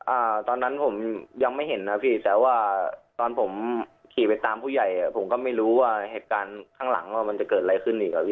อ่าตอนนั้นผมยังไม่เห็นนะพี่แต่ว่าตอนผมขี่ไปตามผู้ใหญ่อ่ะผมก็ไม่รู้ว่าเหตุการณ์ข้างหลังว่ามันจะเกิดอะไรขึ้นอีกอ่ะพี่